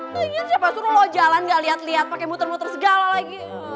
tengen siapa suruh lo jalan gak liat liat pake muter muter segala lagi